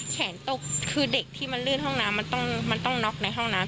ตกคือเด็กที่มันลื่นห้องน้ำมันต้องน็อกในห้องน้ำ